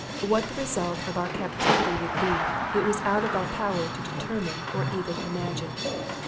What the result of our captivity would be, it was out of our power to determine or even imagine.